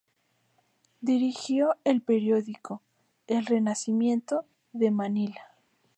Dirigió el periódico "El Renacimiento" de Manila.